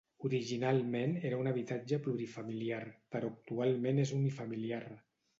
Originalment era un habitatge plurifamiliar, però actualment és unifamiliar.